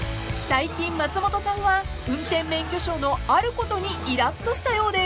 ［最近松本さんは運転免許証のあることにイラッとしたようで。